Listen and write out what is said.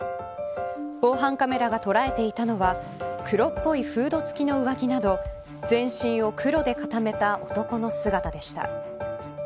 防犯カメラが捉えていたのは黒っぽいフード付きの上着など全身を黒で固めた男の姿でした。